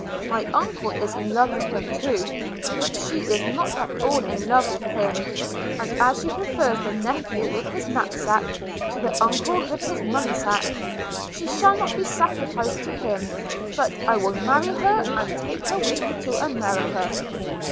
– My uncle is in love with her too; but she is not at all in love with him; and as she prefers the nephew with his knap sack to the uncle with his money sack, she shall not be sacrificed to him; but I will marry her, and take her with me to America.'